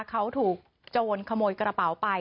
เขาถูกโจรขโมยกระเป๋าไป